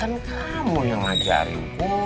kan kamu yang ngajarin